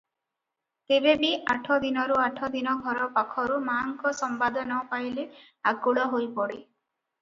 ତେବେ ବି ଆଠଦିନକୁ ଆଠଦିନ ଘରପାଖରୁ ମା'ଙ୍କ ସମ୍ବାଦ ନ ପାଇଲେ ଆକୁଳ ହୋଇପଡେ ।